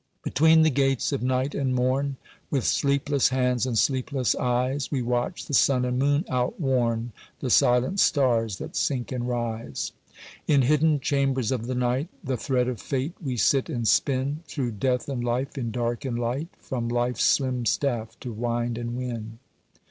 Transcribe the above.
Between the gates of night and morn, With sleepless hands and sleepless eyes, We watch the sun and moon outworn, The silent stars that sink and rise. In hidden chambers of the night, The thread of Fate we sit and spin, Through death and life, in dark and light, From life's slim staff to wind and win.